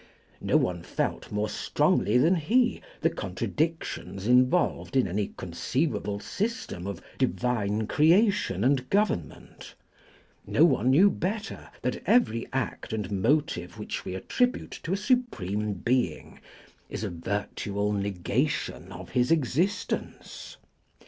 No one felt more strongly than he the contradictions involved in any conceivable system of Divine creation and government. No one knew better that every act and motive which we attribute to a Supreme Being is a virtual negation of His existence.